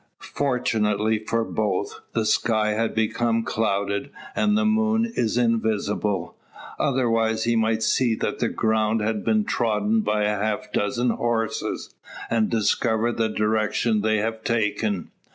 Fortunately for both, the sky has become clouded, and the moon is invisible; otherwise he might see that the ground has been trodden by a half dozen horses, and discover the direction these have taken.